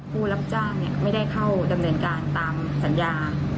ผู้รับจ้างไม่ได้เข้าดำเนินการตามสัญญา